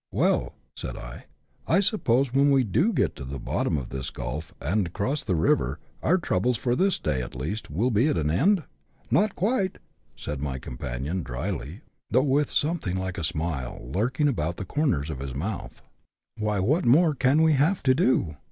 " Well," said I, " I suppose, when we do get to the bottom of ' this Gulf,' and across the river, our troubles, for this day at least, will be at an end ?"" Not quite," said my companion, drily, though with some thing like a smile lurking about the corners of his mouth. " Why, what more can we have to do